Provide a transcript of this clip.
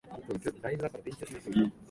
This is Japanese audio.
高校生のリアルな会話が生々しい